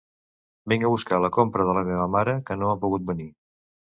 Vinc a buscar la compra de la meva mare, que no ha pogut venir.